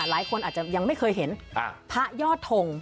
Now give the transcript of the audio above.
หลายคนอาจจะยังไม่เคยเห็นพระยอดทง